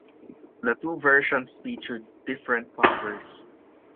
The two versions featured different covers.